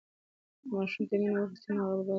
که ماشوم ته مینه ورکړل سي نو هغه باوري لویېږي.